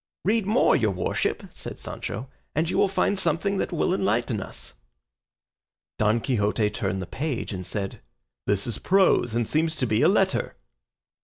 "Read more, your worship," said Sancho, "and you will find something that will enlighten us." Don Quixote turned the page and said, "This is prose and seems to be a letter."